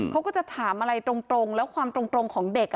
เขาก็จะถามอะไรตรงแล้วความตรงของเด็ก